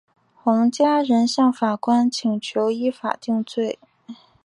洪家人向法官请求依法定罪。